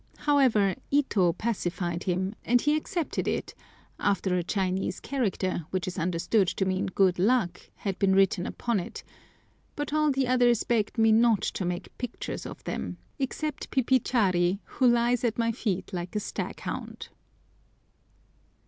However, Ito pacified him, and he accepted it, after a Chinese character, which is understood to mean good luck, had been written upon it; but all the others begged me not to "make pictures" of them, except Pipichari, who lies at my feet like a staghound.